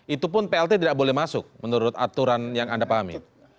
itu pun plt tidak boleh masuk menurut aturan yang anda pahami